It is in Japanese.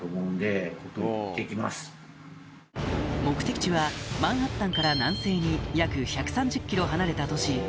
目的地はマンハッタンから南西に約１３０ｋｍ離れた都市